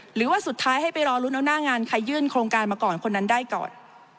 หรือว่าสุดท้ายให้ไปรอลุ้นเอาหน้างานใครยื่นโครงการมาก่อนคนนั้นได้ก่อน